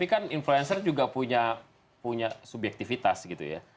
itu mungkin hanya itu pattern kita